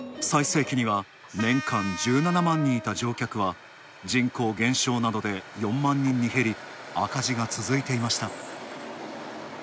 最盛期には年間１７万人いた乗客は人口減少などで４万人に減り赤字が続いていました。